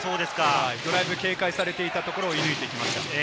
ドライブが警戒されていたところをいぬいていきました。